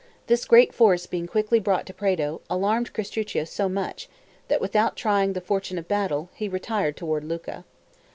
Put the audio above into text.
This great force being quickly brought to Prato, alarmed Castruccio so much, that without trying the fortune of battle, he retired toward Lucca.